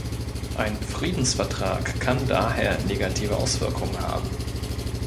Ein Friedensvertrag kann daher negative Auswirkungen haben.